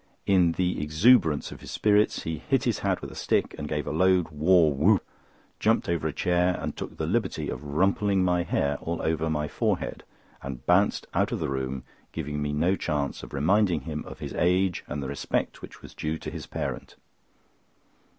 In the exuberance of his spirits he hit his hat with his stick, gave a loud war "Whoo oop," jumped over a chair, and took the liberty of rumpling my hair all over my forehead, and bounced out of the room, giving me no chance of reminding him of his age and the respect which was due to his parent.